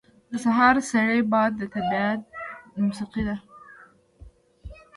• د سهار سړی باد د طبیعت موسیقي ده.